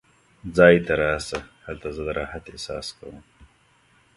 ځای ته راشه، هلته زه د راحت احساس کوم.